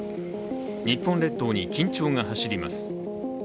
日本列島に緊張が走ります。